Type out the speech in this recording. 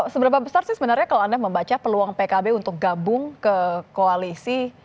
seberapa besar sih sebenarnya kalau anda membaca peluang pkb untuk gabung ke koalisi